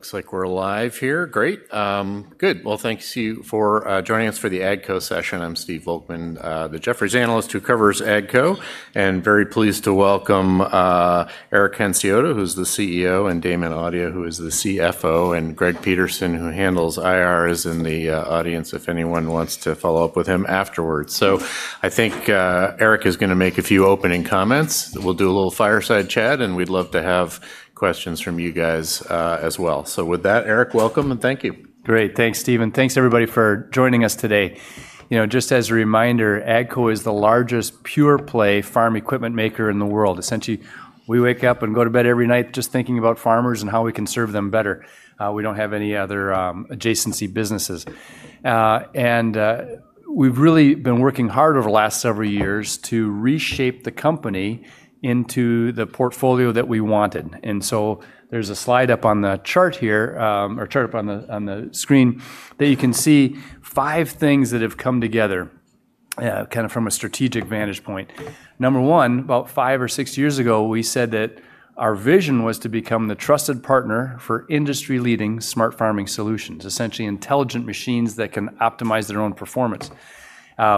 Looks like we're live here. Great. Well, thanks for joining us for the AGCO session. I'm Steve Volkmann, the Jefferies analyst who covers AGCO, and very pleased to welcome Eric Hansotia, who's the CEO, and Damon Audia, who is the CFO, and Greg Peterson, who handles IR, is in the audience if anyone wants to follow up with him afterwards. So I think Eric is going to make a few opening comments. We'll do a little fireside chat, and we'd love to have questions from you guys, as well. So with that, Eric, welcome and thank you. Great. Thanks, Steve. Thanks, everybody, for joining us today. You know, just as a reminder, AGCO is the largest pure-play farm equipment maker in the world. Essentially, we wake up and go to bed every night just thinking about farmers and how we can serve them better. We don't have any other adjacent businesses. And we've really been working hard over the last several years to reshape the company into the portfolio that we wanted. And so there's a slide up on the chart here or chart up on the screen that you can see five things that have come together, kind of from a strategic vantage point. Number one, about five or six years ago, we said that our vision was to become the trusted partner for industry-leading smart farming solutions, essentially intelligent machines that can optimize their own performance.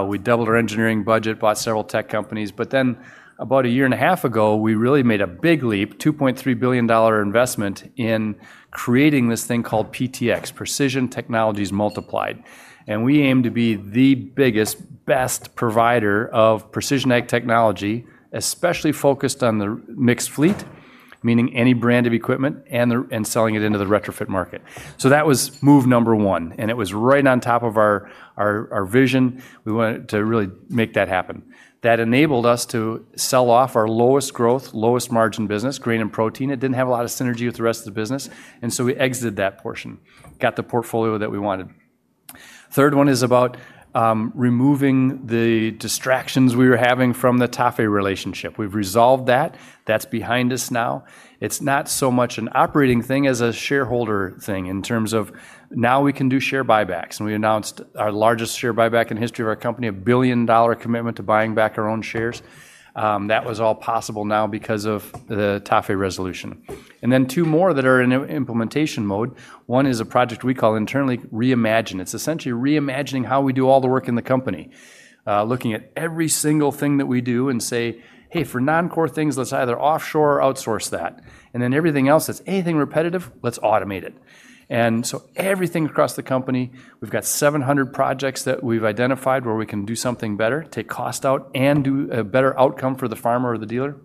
We doubled our engineering budget, bought several tech companies, but then about a year and a half ago, we really made a big leap, $2.3 billion investment in creating this thing called PTx, Precision Technologies Multiplied. We aim to be the biggest, best provider of precision ag technology, especially focused on the mixed fleet, meaning any brand of equipment, and selling it into the retrofit market. So that was move number one, and it was right on top of our vision. We wanted to really make that happen. That enabled us to sell off our lowest growth, lowest margin business, grain and protein. It didn't have a lot of synergy with the rest of the business, and so we exited that portion, got the portfolio that we wanted. Third one is about removing the distractions we were having from the TAFE relationship. We've resolved that. That's behind us now. It's not so much an operating thing as a shareholder thing in terms of now we can do share buybacks. We announced our largest share buyback in the history of our company, a $1 billion commitment to buying back our own shares. That was all possible now because of the TAFE resolution, and then two more that are in implementation mode. One is a project we call internally Re-Imagine. It's essentially reimagining how we do all the work in the company, looking at every single thing that we do and say, "Hey, for non-core things, let's either offshore or outsource that," and then everything else, it's anything repetitive, let's automate it. Everything across the company, we've got 700 projects that we've identified where we can do something better, take cost out, and do a better outcome for the farmer or the dealer.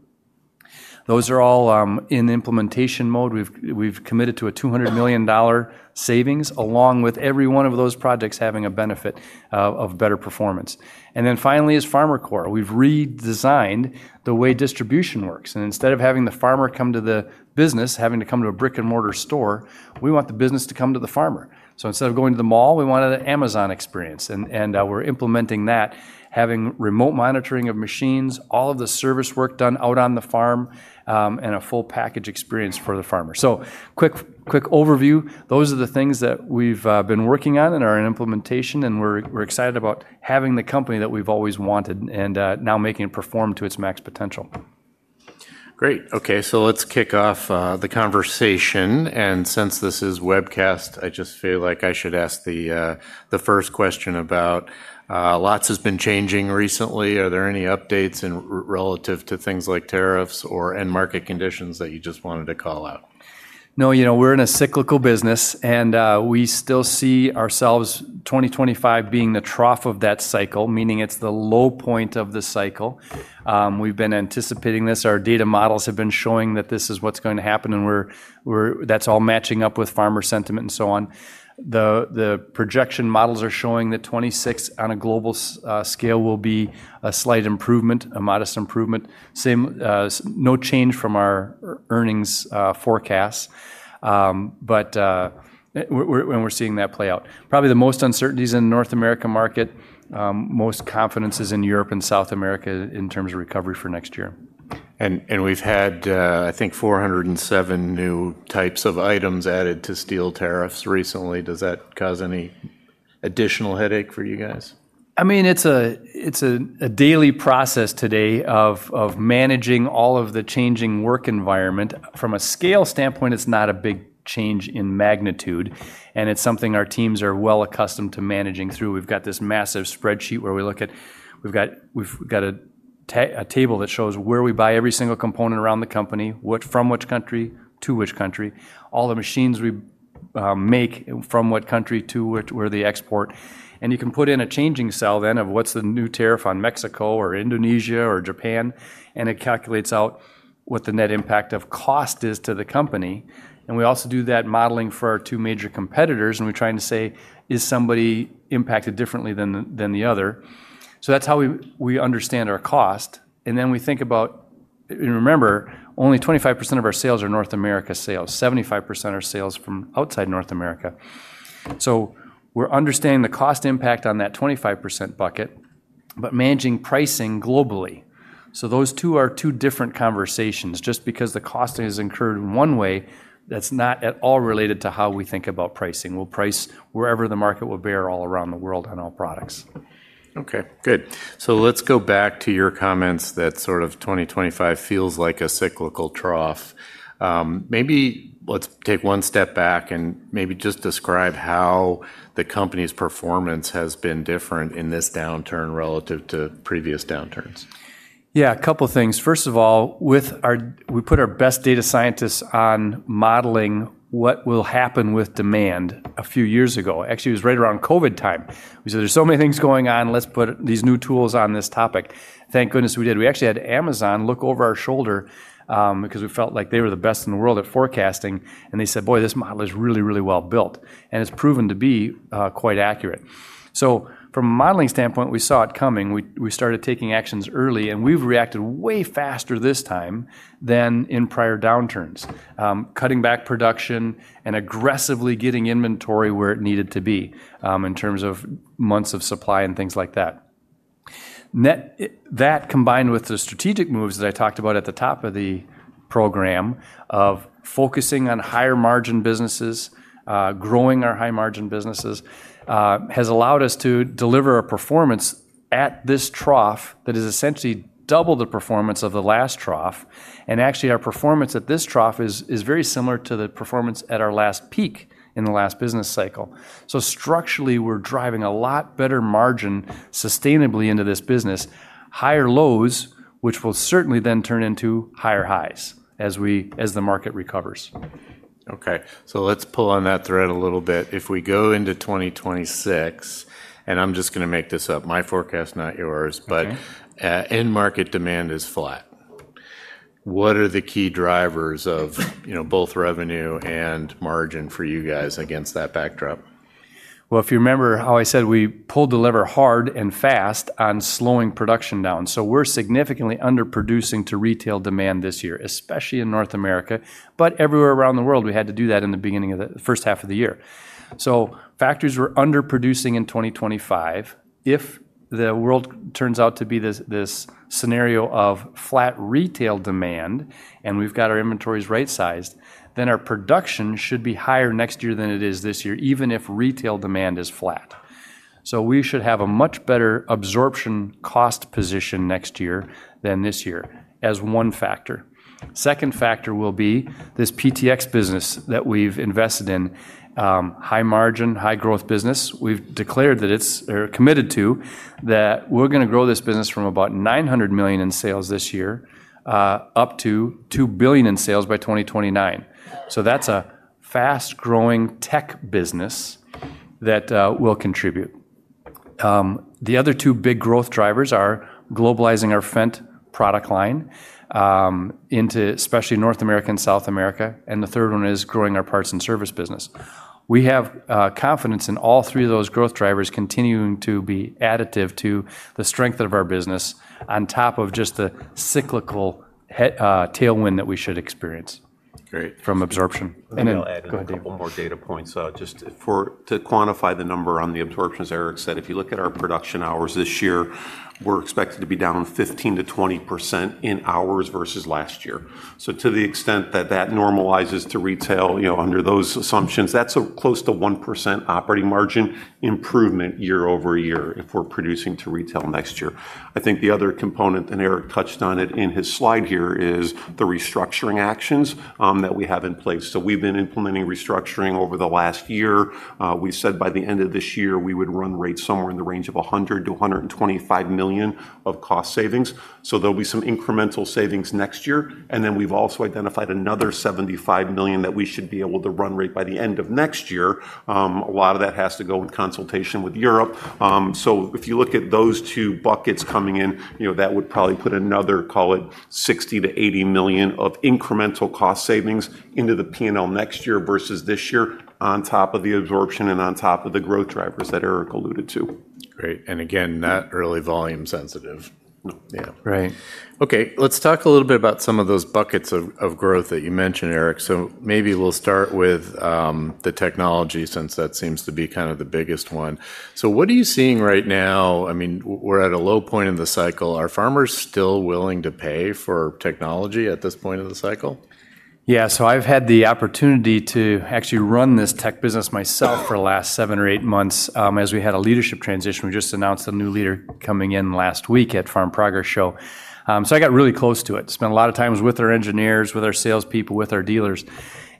Those are all in implementation mode. We've committed to a $200 million savings along with every one of those projects having a benefit of better performance, and then finally, as FarmerCore, we've redesigned the way distribution works. Instead of having the farmer come to the business, having to come to a brick-and-mortar store, we want the business to come to the farmer. Instead of going to the mall, we wanted an Amazon experience, and we're implementing that, having remote monitoring of machines, all of the service work done out on the farm, and a full package experience for the farmer, so quick overview. Those are the things that we've been working on and are in implementation, and we're excited about having the company that we've always wanted and now making it perform to its max potential. Great. Okay. So let's kick off the conversation. Since this is webcast, I just feel like I should ask the first question about a lot has been changing recently. Are there any updates in relation to things like tariffs or end market conditions that you just wanted to call out? No, you know, we're in a cyclical business, and we still see ourselves 2025 being the trough of that cycle, meaning it's the low point of the cycle. We've been anticipating this. Our data models have been showing that this is what's going to happen, and we're, that's all matching up with farmer sentiment and so on. The projection models are showing that 2026 on a global scale will be a slight improvement, a modest improvement. Same, no change from our earnings forecasts, but we're seeing that play out. Probably the most uncertainties in the North America market, most confidence is in Europe and South America in terms of recovery for next year. We've had, I think, 407 new types of items added to steel tariffs recently. Does that cause any additional headache for you guys? I mean, it's a daily process today of managing all of the changing work environment. From a scale standpoint, it's not a big change in magnitude, and it's something our teams are well accustomed to managing through. We've got this massive spreadsheet where we look at. We've got a table that shows where we buy every single component around the company, what, from which country to which country, all the machines we make from what country to which where they export. And you can put in a changing cell then of what's the new tariff on Mexico or Indonesia or Japan, and it calculates out what the net impact of cost is to the company. And we also do that modeling for our two major competitors, and we try and say, is somebody impacted differently than the other? So that's how we understand our cost. And then we think about, and remember, only 25% of our sales are North America sales. 75% are sales from outside North America. So we're understanding the cost impact on that 25% bucket, but managing pricing globally. So those two are two different conversations. Just because the cost has incurred one way, that's not at all related to how we think about pricing. We'll price wherever the market will bear all around the world on all products. Okay. Good. So let's go back to your comments that sort of 2025 feels like a cyclical trough. Maybe let's take one step back and maybe just describe how the company's performance has been different in this downturn relative to previous downturns. Yeah, a couple of things. First of all, with our, we put our best data scientists on modeling what will happen with demand a few years ago. Actually, it was right around COVID time. We said, there's so many things going on. Let's put these new tools on this topic. Thank goodness we did. We actually had Amazon look over our shoulder, because we felt like they were the best in the world at forecasting. And they said, boy, this model is really, really well built. And it's proven to be quite accurate. So from a modeling standpoint, we saw it coming. We started taking actions early, and we've reacted way faster this time than in prior downturns, cutting back production and aggressively getting inventory where it needed to be, in terms of months of supply and things like that. Yet, that combined with the strategic moves that I talked about at the top of the program of focusing on higher margin businesses, growing our high margin businesses, has allowed us to deliver a performance at this trough that is essentially double the performance of the last trough. Actually, our performance at this trough is very similar to the performance at our last peak in the last business cycle. So structurally, we're driving a lot better margin sustainably into this business, higher lows, which will certainly then turn into higher highs as the market recovers. Okay. So let's pull on that thread a little bit. If we go into 2026, and I'm just going to make this up, my forecast, not yours, but, end market demand is flat. What are the key drivers of, you know, both revenue and margin for you guys against that backdrop? Well, if you remember how I said we pulled the lever hard and fast on slowing production down. So we're significantly underproducing to retail demand this year, especially in North America, but everywhere around the world. We had to do that in the beginning of the first half of the year. So factories were underproducing in 2025. If the world turns out to be this, this scenario of flat retail demand, and we've got our inventories right-sized, then our production should be higher next year than it is this year, even if retail demand is flat. So we should have a much better absorption cost position next year than this year as one factor. Second factor will be this PTx business that we've invested in, high margin, high growth business. We've declared that it's or committed to that we're going to grow this business from about $900 million in sales this year up to $2 billion in sales by 2029. So that's a fast-growing tech business that will contribute. The other two big growth drivers are globalizing our Fendt product line into especially North America and South America. And the third one is growing our parts and service business. We have confidence in all three of those growth drivers continuing to be additive to the strength of our business on top of just the cyclical tailwind that we should experience. Great. From absorption. I'll add one more data point, just to quantify the number on the absorptions. Eric said if you look at our production hours this year, we're expected to be down 15%-20% in hours versus last year. To the extent that that normalizes to retail, you know, under those assumptions, that's a close to 1% operating margin improvement year over year if we're producing to retail next year. I think the other component, and Eric touched on it in his slide here, is the restructuring actions that we have in place. We've been implementing restructuring over the last year. We said by the end of this year, we would run rates somewhere in the range of $100-$125 million of cost savings. There'll be some incremental savings next year. And then we've also identified another $75 million that we should be able to run rate by the end of next year. A lot of that has to go in consultation with Europe. So if you look at those two buckets coming in, you know, that would probably put another, call it $60 million-$80 million of incremental cost savings into the P&L next year versus this year on top of the absorption and on top of the growth drivers that Eric alluded to. Great. And again, not really volume sensitive. Right. Okay. Let's talk a little bit about some of those buckets of growth that you mentioned, Eric. So maybe we'll start with the technology since that seems to be kind of the biggest one. So what are you seeing right now? I mean, we're at a low point in the cycle. Are farmers still willing to pay for technology at this point of the cycle? Yeah. So I've had the opportunity to actually run this tech business myself for the last seven or eight months, as we had a leadership transition. We just announced a new leader coming in last week at Farm Progress Show. So I got really close to it, spent a lot of times with our engineers, with our salespeople, with our dealers,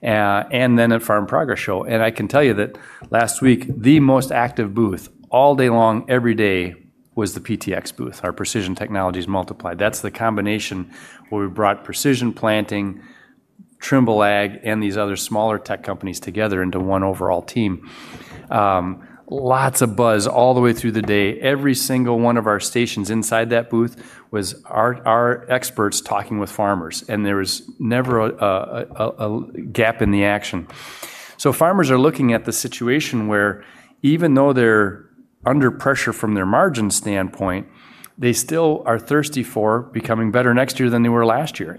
and then at Farm Progress Show. And I can tell you that last week, the most active booth all day long, every day was the PTx booth, our Precision Technologies Multiplied. That's the combination where we brought Precision Planting, Trimble Ag, and these other smaller tech companies together into one overall team. Lots of buzz all the way through the day. Every single one of our stations inside that booth was our experts talking with farmers, and there was never a gap in the action. So farmers are looking at the situation where even though they're under pressure from their margin standpoint, they still are thirsty for becoming better next year than they were last year,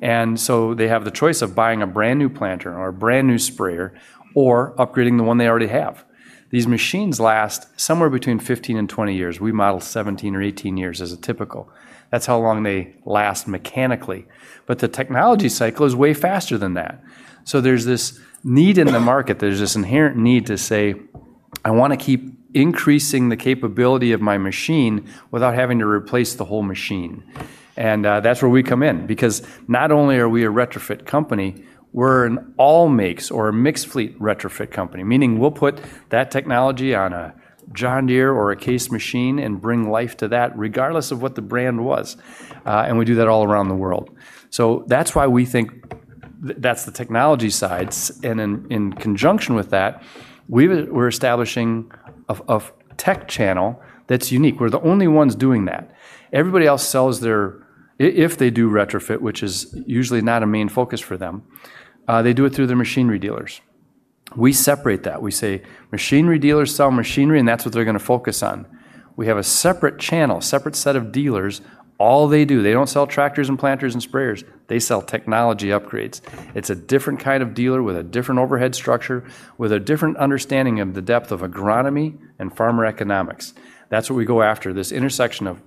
and so they have the choice of buying a brand new planter or a brand new sprayer or upgrading the one they already have. These machines last somewhere between 15 and 20 years. We model 17 or 18 years as a typical. That's how long they last mechanically, but the technology cycle is way faster than that, so there's this need in the market. There's this inherent need to say, I want to keep increasing the capability of my machine without having to replace the whole machine, and that's where we come in because not only are we a retrofit company, we're an all makes or a mixed fleet retrofit company, meaning we'll put that technology on a John Deere or a Case machine and bring life to that regardless of what the brand was, and we do that all around the world, so that's why we think that's the technology sides, and in conjunction with that, we're establishing a tech channel that's unique. We're the only ones doing that. Everybody else sells their, if they do retrofit, which is usually not a main focus for them, they do it through their machinery dealers. We separate that. We say machinery dealers sell machinery, and that's what they're going to focus on. We have a separate channel, separate set of dealers. All they do, they don't sell tractors and planters and sprayers. They sell technology upgrades. It's a different kind of dealer with a different overhead structure, with a different understanding of the depth of agronomy and farmer economics. That's what we go after, this intersection of,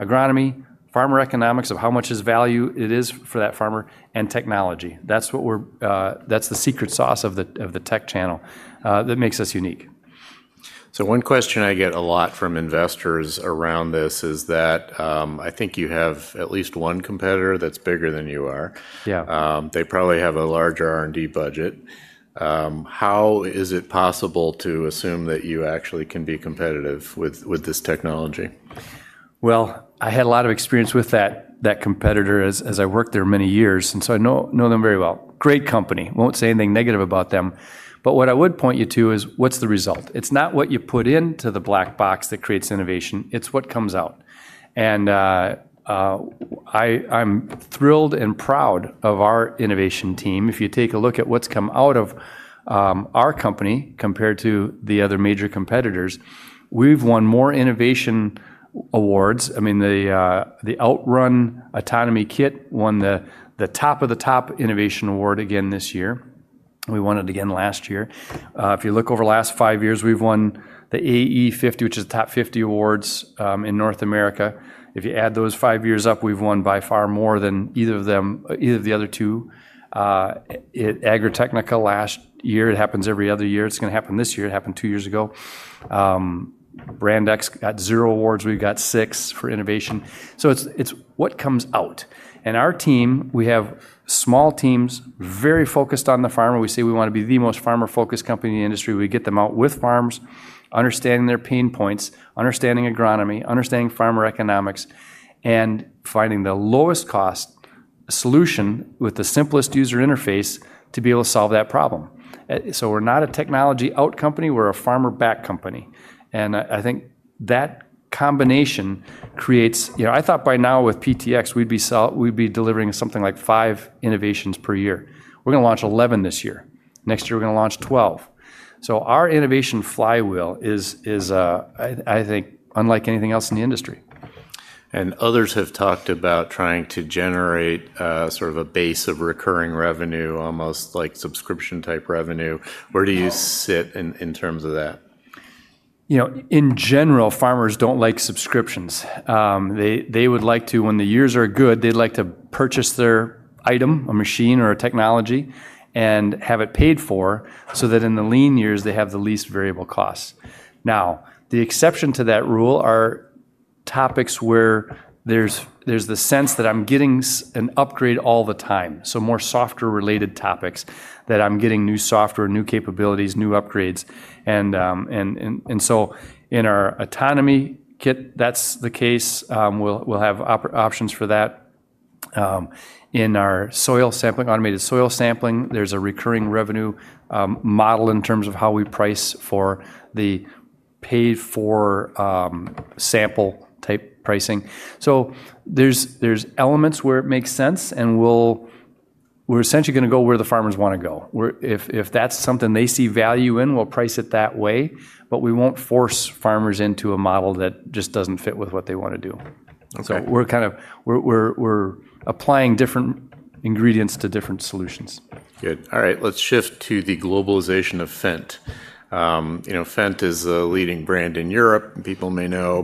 agronomy, farmer economics of how much is value it is for that farmer and technology. That's what we're, that's the secret sauce of the, of the tech channel, that makes us unique. One question I get a lot from investors around this is that, I think you have at least one competitor that's bigger than you are. Yeah. They probably have a larger R&D budget. How is it possible to assume that you actually can be competitive with this technology? I had a lot of experience with that competitor as I worked there many years, and so I know them very well. Great company. Won't say anything negative about them. But what I would point you to is what's the result? It's not what you put into the black box that creates innovation. It's what comes out. And I'm thrilled and proud of our innovation team. If you take a look at what's come out of our company compared to the other major competitors, we've won more innovation awards. I mean, the OutRun autonomy kit won the top of the top innovation award again this year. We won it again last year. If you look over the last five years, we've won the AE50, which is the top 50 awards, in North America. If you add those five years up, we've won by far more than either of them, either of the other two. At Agritechnica last year, it happens every other year. It's going to happen this year. It happened two years ago. Brand X got zero awards. We've got six for innovation. So it's, it's what comes out, and our team, we have small teams very focused on the farmer. We say we want to be the most farmer-focused company in the industry. We get them out with farms, understanding their pain points, understanding agronomy, understanding farmer economics, and finding the lowest cost solution with the simplest user interface to be able to solve that problem. So we're not a technology out company. We're a farmer-back company. I think that combination creates, you know, I thought by now with PTx, we'd be selling, we'd be delivering something like five innovations per year. We're going to launch 11 this year. Next year, we're going to launch 12. Our innovation flywheel is, I think, unlike anything else in the industry. And others have talked about trying to generate, sort of a base of recurring revenue, almost like subscription-type revenue. Where do you sit in, in terms of that? You know, in general, farmers don't like subscriptions. They would like to, when the years are good, they'd like to purchase their item, a machine or a technology, and have it paid for so that in the lean years, they have the least variable costs. Now, the exception to that rule are topics where there's the sense that I'm getting an upgrade all the time. So more software-related topics that I'm getting new software, new capabilities, new upgrades, and so in our autonomy kit, that's the case. We'll have options for that. In our soil sampling, automated soil sampling, there's a recurring revenue model in terms of how we price for the paid-for sample type pricing. So there's elements where it makes sense, and we're essentially going to go where the farmers want to go. Where, if that's something they see value in, we'll price it that way, but we won't force farmers into a model that just doesn't fit with what they want to do. So we're kind of applying different ingredients to different solutions. Good. All right. Let's shift to the globalization of Fendt. You know, Fendt is a leading brand in Europe, people may know,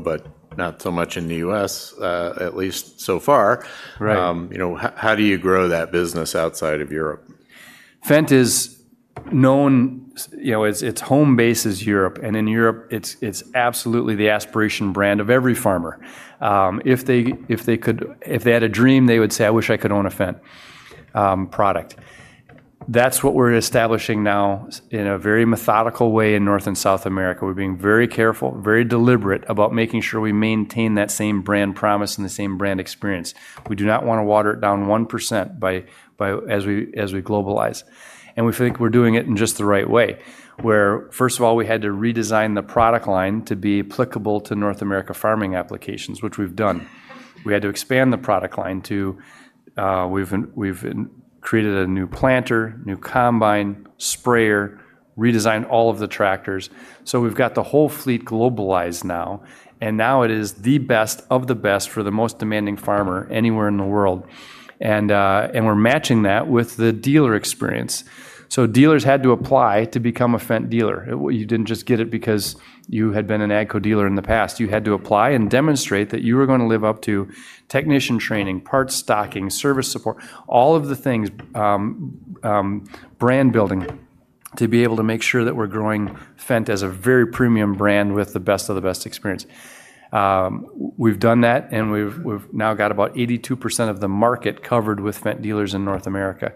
but not so much in the US, at least so far. Right. You know, how do you grow that business outside of Europe? Fendt is known, you know, its home base is Europe. In Europe, it's absolutely the aspiration brand of every farmer. If they could, if they had a dream, they would say, I wish I could own a Fendt product. That's what we're establishing now in a very methodical way in North and South America. We're being very careful, very deliberate about making sure we maintain that same brand promise and the same brand experience. We do not want to water it down 1% by as we globalize. We think we're doing it in just the right way where, first of all, we had to redesign the product line to be applicable to North America farming applications, which we've done. We had to expand the product line to. We've created a new planter, new combine, sprayer, redesigned all of the tractors. So we've got the whole fleet globalized now. And now it is the best of the best for the most demanding farmer anywhere in the world. And, and we're matching that with the dealer experience. So dealers had to apply to become a Fendt dealer. You didn't just get it because you had been an AGCO dealer in the past. You had to apply and demonstrate that you were going to live up to technician training, parts stocking, service support, all of the things, brand building to be able to make sure that we're growing Fendt as a very premium brand with the best of the best experience. We've done that and we've, we've now got about 82% of the market covered with Fendt dealers in North America.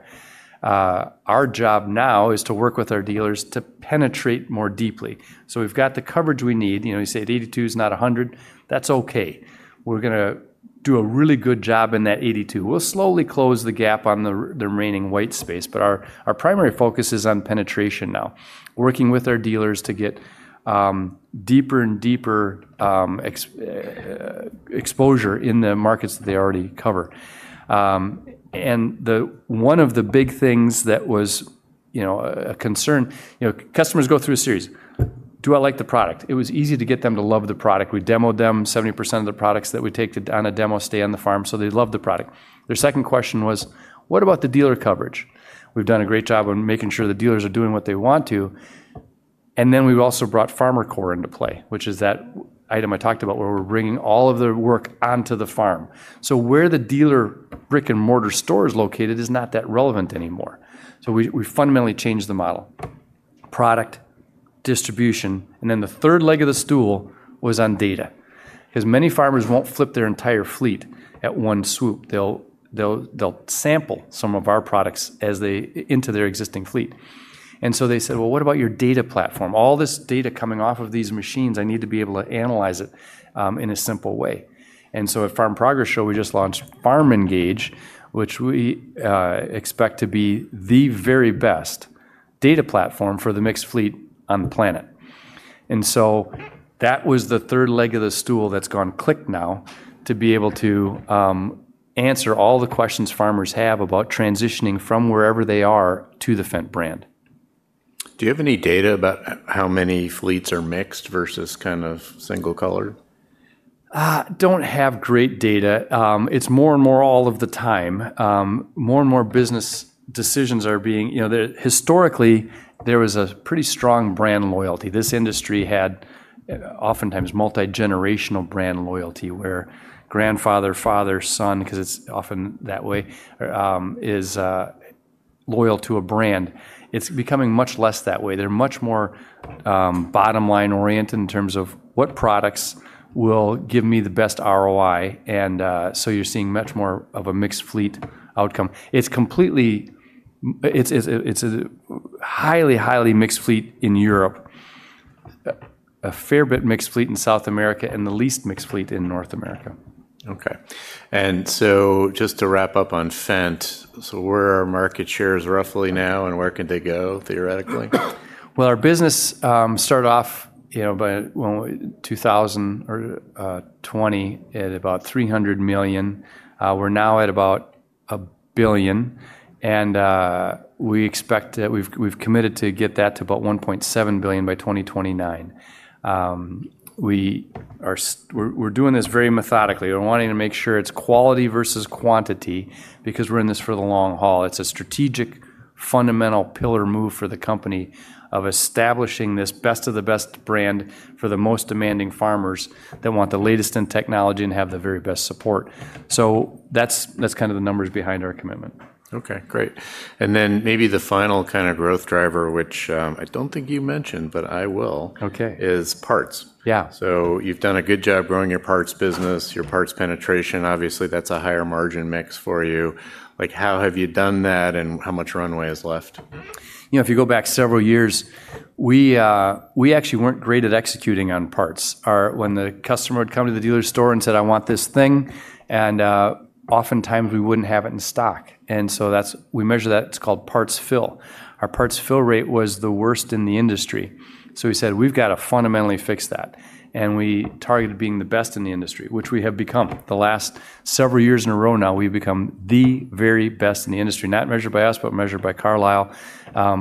Our job now is to work with our dealers to penetrate more deeply. So we've got the coverage we need. You know, you say 82 is not 100. That's okay. We're going to do a really good job in that 82. We'll slowly close the gap on the remaining white space, but our primary focus is on penetration now, working with our dealers to get deeper and deeper exposure in the markets that they already cover, and the one of the big things that was, you know, a concern, you know, customers go through a series, do I like the product? It was easy to get them to love the product. We demoed them. 70% of the products that we take to on a demo stay on the farm. So they loved the product. Their second question was, what about the dealer coverage? We've done a great job on making sure the dealers are doing what they want to. We've also brought FarmerCore into play, which is that item I talked about where we're bringing all of the work onto the farm. The dealer brick and mortar store's location is not that relevant anymore. We fundamentally changed the model, product distribution. The third leg of the stool was on data because many farmers won't flip their entire fleet at one swoop. They'll sample some of our products as they integrate into their existing fleet. They said, well, what about your data platform? All this data coming off of these machines, I need to be able to analyze it in a simple way. At Farm Progress Show, we just launched FarmENGAGE, which we expect to be the very best data platform for the mixed fleet on the planet. And so that was the third leg of the stool that's gone click now to be able to answer all the questions farmers have about transitioning from wherever they are to the Fendt brand. Do you have any data about how many fleets are mixed versus kind of single colored? Don't have great data. It's more and more all of the time. More and more business decisions are being, you know, historically, there was a pretty strong brand loyalty. This industry had oftentimes multi-generational brand loyalty where grandfather, father, son, because it's often that way, is loyal to a brand. It's becoming much less that way. They're much more bottom line oriented in terms of what products will give me the best ROI. And so you're seeing much more of a mixed fleet outcome. It's completely a highly mixed fleet in Europe, a fair bit mixed fleet in South America, and the least mixed fleet in North America. Okay. And so just to wrap up on Fendt, so where are market shares roughly now and where can they go theoretically? Our business started off, you know, by 2020 at about $300 million. We're now at about $1 billion. We expect that we've committed to get that to about $1.7 billion by 2029. We're doing this very methodically. We're wanting to make sure it's quality versus quantity because we're in this for the long haul. It's a strategic, fundamental pillar move for the company of establishing this best of the best brand for the most demanding farmers that want the latest in technology and have the very best support. That's kind of the numbers behind our commitment. Okay. Great. And then maybe the final kind of growth driver, which, I don't think you mentioned, but I will. Okay. Is parts. Yeah. So you've done a good job growing your parts business, your parts penetration. Obviously, that's a higher margin mix for you. Like, how have you done that and how much runway is left? You know, if you go back several years, we actually weren't great at executing on parts. When the customer would come to the dealer's store and said, I want this thing, and oftentimes we wouldn't have it in stock. And so that's what we measure. It's called parts fill. Our parts fill rate was the worst in the industry. So we said, we've got to fundamentally fix that. And we targeted being the best in the industry, which we have become the last several years in a row. Now we've become the very best in the industry, not measured by us, but measured by Carlisle,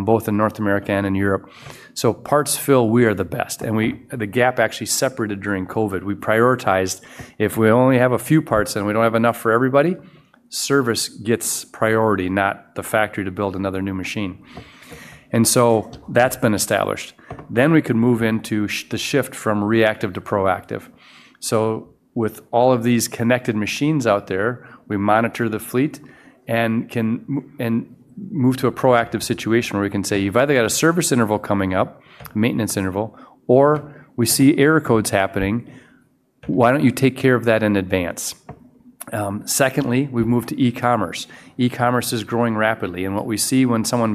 both in North America and in Europe. So parts fill, we are the best. And the gap actually separated during COVID. We prioritized if we only have a few parts and we don't have enough for everybody. Service gets priority, not the factory to build another new machine. And so that's been established. Then we could move into the shift from reactive to proactive. So with all of these connected machines out there, we monitor the fleet and move to a proactive situation where we can say, you've either got a service interval coming up, maintenance interval, or we see error codes happening. Why don't you take care of that in advance? Secondly, we've moved to e-commerce. E-commerce is growing rapidly. And what we see when someone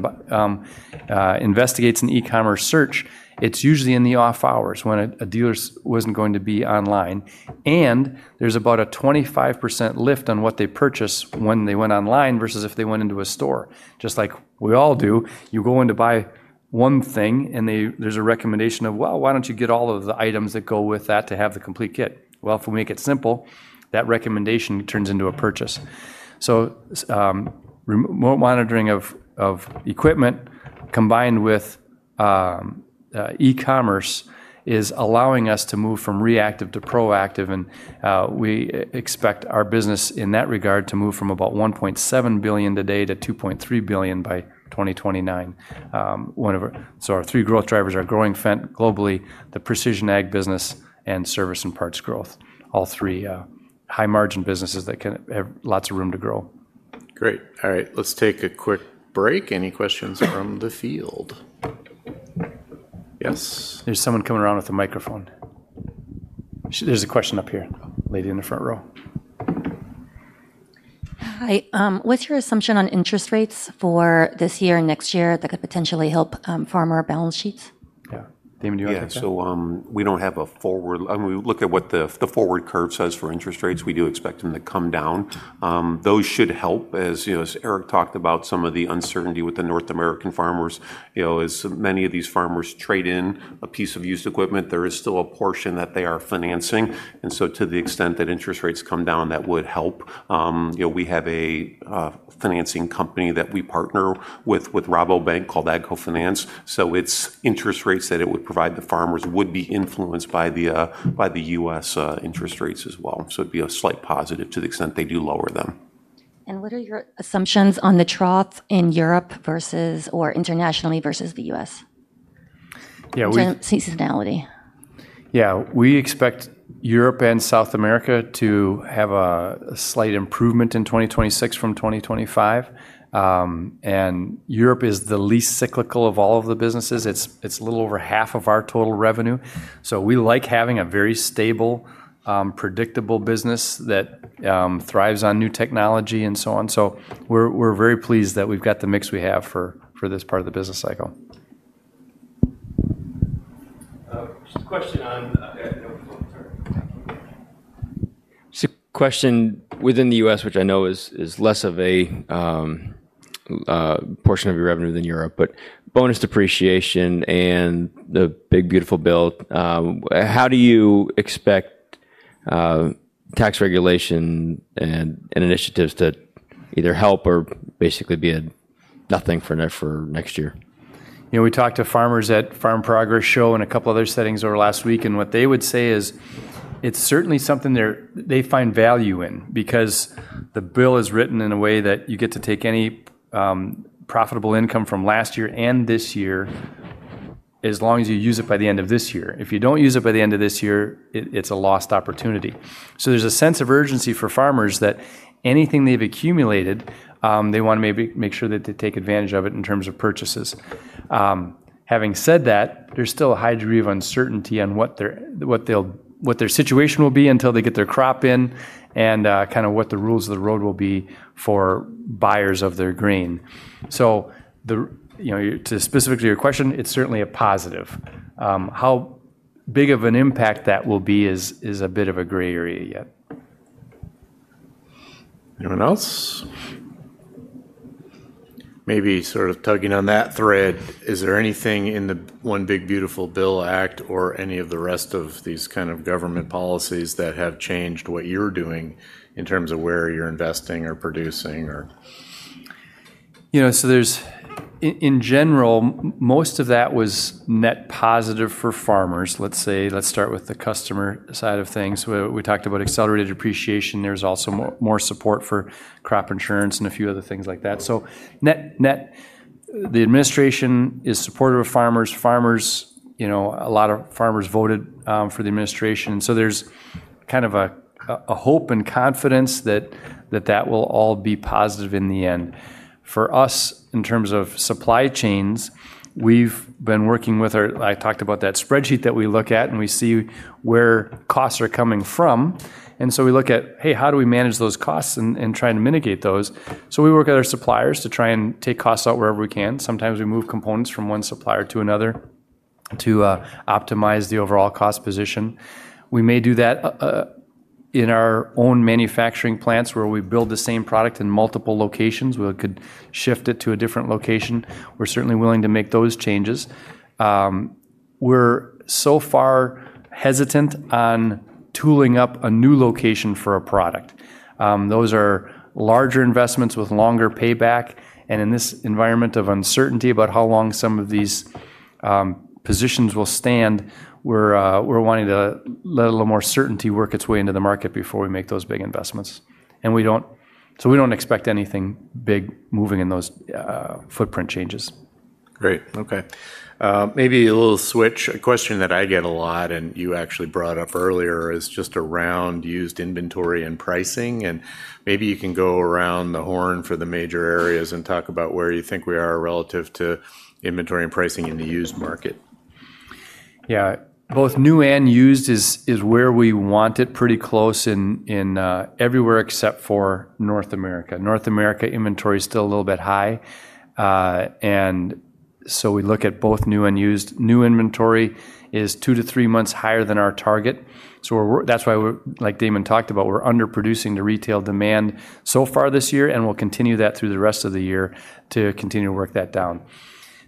investigates an e-commerce search, it's usually in the off hours when a dealer wasn't going to be online. And there's about a 25% lift on what they purchase when they went online versus if they went into a store. Just like we all do, you go in to buy one thing and there's a recommendation of, well, why don't you get all of the items that go with that to have the complete kit? Well, if we make it simple, that recommendation turns into a purchase. So, remote monitoring of equipment combined with e-commerce is allowing us to move from reactive to proactive. And we expect our business in that regard to move from about $1.7 billion today to $2.3 billion by 2029. So our three growth drivers are growing Fendt globally, the precision ag business, and service and parts growth, all three high margin businesses that can have lots of room to grow. Great. All right. Let's take a quick break. Any questions from the field? Yes. There's someone coming around with a microphone. There's a question up here, lady in the front row. Hi. What's your assumption on interest rates for this year and next year that could potentially help farmers' balance sheets? Yeah. Damon, do you have that? Yeah. So, we don't have a forward. I mean, we look at what the forward curve says for interest rates. We do expect them to come down. Those should help as, you know, as Eric talked about, some of the uncertainty with the North American farmers. You know, as many of these farmers trade in a piece of used equipment, there is still a portion that they are financing. And so to the extent that interest rates come down, that would help. You know, we have a financing company that we partner with, with Rabobank called AGCO Finance. So it's interest rates that it would provide the farmers would be influenced by the, by the U.S., interest rates as well. So it'd be a slight positive to the extent they do lower them. What are your assumptions on the trough in Europe versus, or internationally versus the US? Yeah. Seasonality. Yeah. We expect Europe and South America to have a slight improvement in 2026 from 2025, and Europe is the least cyclical of all of the businesses. It's a little over half of our total revenue. So we like having a very stable, predictable business that thrives on new technology and so on. So we're very pleased that we've got the mix we have for this part of the business cycle. Just a question on, sorry. Just a question within the U.S., which I know is less of a portion of your revenue than Europe, but bonus depreciation and the big, beautiful bill. How do you expect tax regulation and initiatives to either help or basically be a nothing for next year? You know, we talked to farmers at Farm Progress Show and a couple other settings over last week, and what they would say is it's certainly something they find value in because the bill is written in a way that you get to take any profitable income from last year and this year, as long as you use it by the end of this year. If you don't use it by the end of this year, it's a lost opportunity. So there's a sense of urgency for farmers that anything they've accumulated, they want to maybe make sure that they take advantage of it in terms of purchases. Having said that, there's still a high degree of uncertainty on what their situation will be until they get their crop in and kind of what the rules of the road will be for buyers of their grain. So you know, to specifically your question, it's certainly a positive. How big of an impact that will be is a bit of a gray area yet. Anyone else? Maybe sort of tugging on that thread, is there anything in the one big, beautiful bill act or any of the rest of these kind of government policies that have changed what you're doing in terms of where you're investing or producing or? You know, so there's, in general, most of that was net positive for farmers. Let's say, let's start with the customer side of things. We talked about accelerated depreciation. There's also more support for crop insurance and a few other things like that. So net, net, the administration is supportive of farmers. Farmers, you know, a lot of farmers voted for the administration. And so there's kind of a hope and confidence that that will all be positive in the end. For us, in terms of supply chains, we've been working with our. I talked about that spreadsheet that we look at and we see where costs are coming from. And so we look at, hey, how do we manage those costs and try and mitigate those? So we work with our suppliers to try and take costs out wherever we can. Sometimes we move components from one supplier to another to optimize the overall cost position. We may do that in our own manufacturing plants where we build the same product in multiple locations. We could shift it to a different location. We're certainly willing to make those changes. We're so far hesitant on tooling up a new location for a product. Those are larger investments with longer payback and in this environment of uncertainty about how long some of these positions will stand, we're, we're wanting to let a little more certainty work its way into the market before we make those big investments and we don't, so we don't expect anything big moving in those footprint changes. Great. Okay. Maybe a little switch. A question that I get a lot and you actually brought up earlier is just around used inventory and pricing, and maybe you can go around the horn for the major areas and talk about where you think we are relative to inventory and pricing in the used market. Yeah. Both new and used is where we want it pretty close in everywhere except for North America. North America inventory is still a little bit high, so we look at both new and used. New inventory is two to three months higher than our target. So, that's why we're, like Damon talked about, underproducing the retail demand so far this year and we'll continue that through the rest of the year to continue to work that down.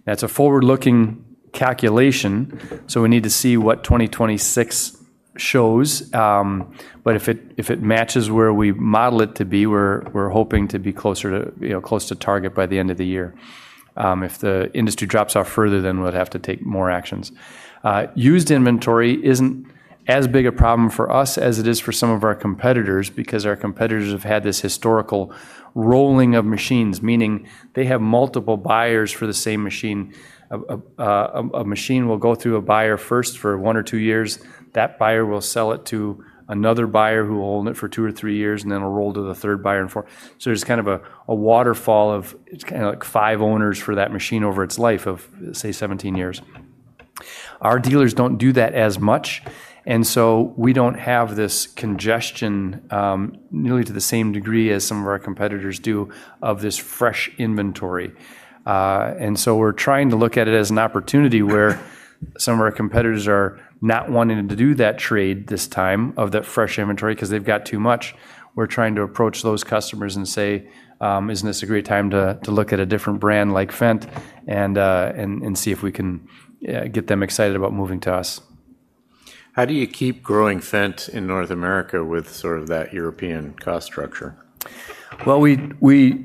That's a forward-looking calculation, so we need to see what 2026 shows, but if it matches where we model it to be, we're hoping to be closer to, you know, close to target by the end of the year. If the industry drops off further, then we'll have to take more actions. Used inventory isn't as big a problem for us as it is for some of our competitors because our competitors have had this historical rolling of machines, meaning they have multiple buyers for the same machine. A machine will go through a buyer first for one or two years. That buyer will sell it to another buyer who will own it for two or three years and then it'll roll to the third buyer and fourth. So there's kind of a waterfall. It's kind of like five owners for that machine over its life of, say, 17 years. Our dealers don't do that as much, and so we don't have this congestion, nearly to the same degree as some of our competitors do of this fresh inventory. And so we're trying to look at it as an opportunity where some of our competitors are not wanting to do that trade this time of that fresh inventory because they've got too much. We're trying to approach those customers and say, isn't this a great time to look at a different brand like Fendt and see if we can get them excited about moving to us. How do you keep growing Fendt in North America with sort of that European cost structure? We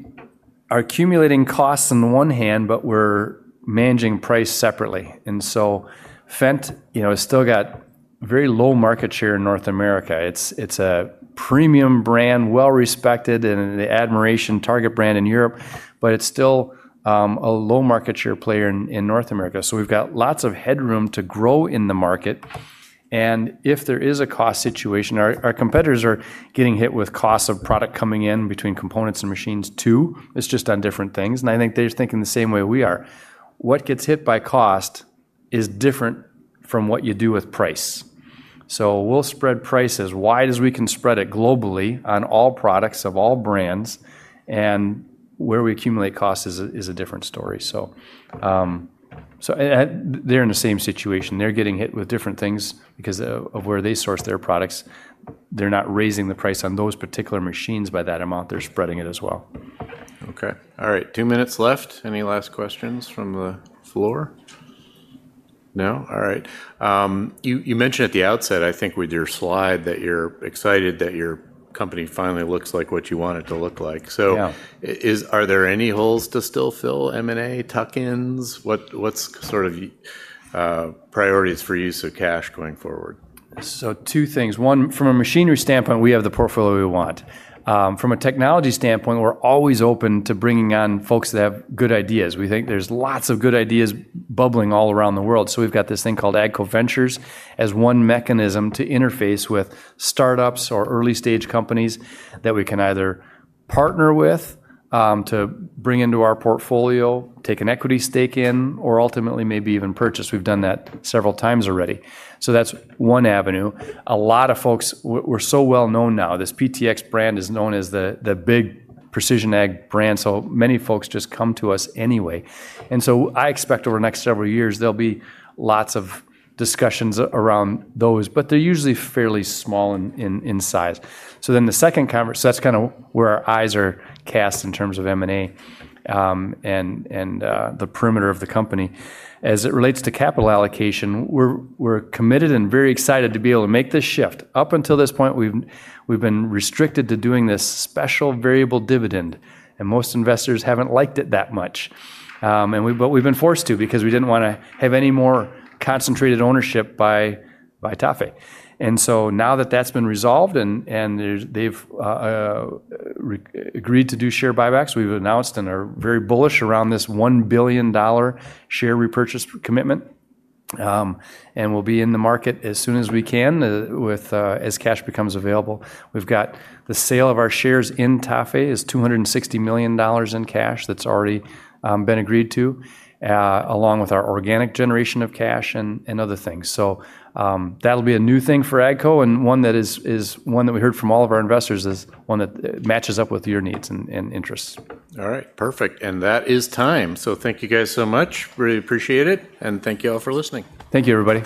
are accumulating costs on the one hand, but we're managing price separately, and so Fendt, you know, has still got very low market share in North America. It's a premium brand, well respected and the admiration target brand in Europe, but it's still a low market share player in North America, so we've got lots of headroom to grow in the market, and if there is a cost situation, our competitors are getting hit with costs of product coming in between components and machines too. It's just on different things, and I think they're thinking the same way we are. What gets hit by cost is different from what you do with price, so we'll spread prices wide as we can spread it globally on all products of all brands, and where we accumulate costs is a different story. So, they're in the same situation. They're getting hit with different things because of where they source their products. They're not raising the price on those particular machines by that amount. They're spreading it as well. Okay. All right. Two minutes left. Any last questions from the floor? No? All right. You mentioned at the outset, I think with your slide, that you're excited that your company finally looks like what you want it to look like. So. Yeah. Are there any holes to still fill, M&A, tuck-ins? What's sort of priorities for use of cash going forward? So two things. One, from a machinery standpoint, we have the portfolio we want. From a technology standpoint, we're always open to bringing on folks that have good ideas. We think there's lots of good ideas bubbling all around the world. So we've got this thing called AGCO Ventures as one mechanism to interface with startups or early stage companies that we can either partner with, to bring into our portfolio, take an equity stake in, or ultimately maybe even purchase. We've done that several times already. So that's one avenue. A lot of folks, we're so well known now. This PTx brand is known as the big precision ag brand. So many folks just come to us anyway. And so I expect over the next several years, there'll be lots of discussions around those, but they're usually fairly small in size. That's kind of where our eyes are cast in terms of M&A, and the periphery of the company. As it relates to capital allocation, we're committed and very excited to be able to make this shift. Up until this point, we've been restricted to doing this special variable dividend, and most investors haven't liked it that much. But we've been forced to because we didn't want to have any more concentrated ownership by TAFE. Now that that's been resolved and they've agreed to do share buybacks, we've announced and are very bullish around this $1 billion share repurchase commitment. We'll be in the market as soon as we can, as cash becomes available. We've got the sale of our shares in TAFE is $260 million in cash that's already been agreed to, along with our organic generation of cash and other things. So, that'll be a new thing for AGCO and one that we heard from all of our investors is one that matches up with your needs and interests. All right. Perfect. And that is time. So thank you guys so much. Really appreciate it. And thank you all for listening. Thank you, everybody.